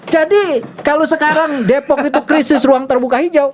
jadi kalau sekarang depok itu krisis ruang terbuka hijau